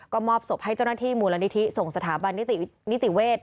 ก็มอบศพให้เจ้าหน้าที่มูลนิธิส่งสถาบันนิติเวช